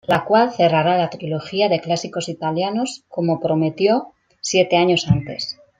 La cual cerrará la trilogía de clásicos italianos como prometió siete años antes.